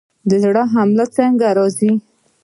د زړه حمله څنګه راځي؟